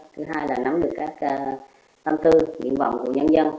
thứ hai là nắm được các tâm tư nguyện vọng của nhân dân